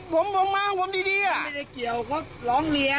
คุณหนักเกินมั้ย